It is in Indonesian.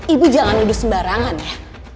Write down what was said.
ibu jangan lebih sembarangan ya